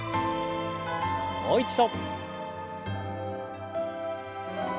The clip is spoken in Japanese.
もう一度。